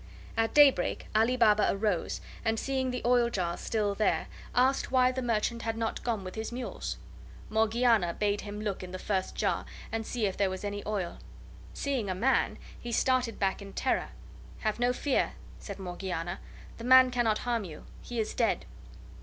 At daybreak Ali Baba arose, and, seeing the oil jars still there, asked why the merchant had not gone with his mules. Morgiana bade him look in the first jar and see if there was any oil. Seeing a man, he started back in terror. "Have no fear," said Morgiana; "the man cannot harm you: he is dead."